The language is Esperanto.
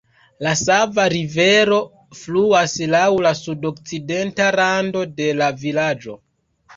La Sava Rivero fluas laŭ la sudokcidenta rando de la vilaĝo.